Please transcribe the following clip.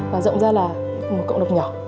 và rộng ra là một cộng đồng nhỏ